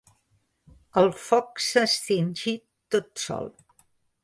El foc s'ha extingit tot sol.